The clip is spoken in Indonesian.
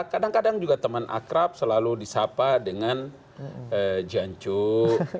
kadang kadang juga teman akrab selalu disapa dengan janjuk